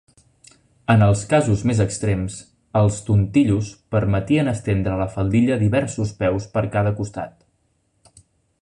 En els casos més extrems, els tontillos permetien estendre la faldilla diversos peus per cada costat.